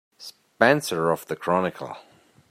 Spencer of the Chronicle.